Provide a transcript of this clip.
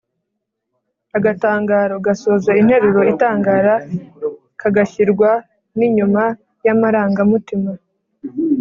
agatangaro (!): gasoza interuro itangara, kagashyirwa n‟inyuma y‟amarangamutima.